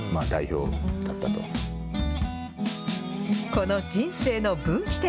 この人生の分岐点。